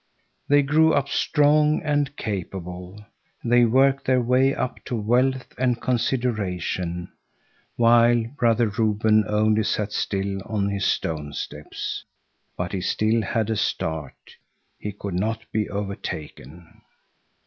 They grew up strong and capable; they worked their way up to wealth and consideration, while Brother Reuben only sat still on his stone steps. But he still had a start; he could not be overtaken.